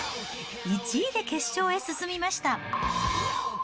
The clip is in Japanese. １位で決勝へ進みました。